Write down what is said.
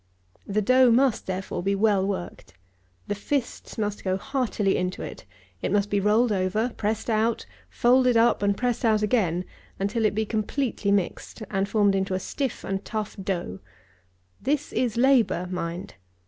The dough must, therefore, be well worked. The fists must go heartily into it. It must be rolled over; pressed out; folded up and pressed out again, until it be completely mixed, and formed into a stiff and tough dough. This is labour, mind.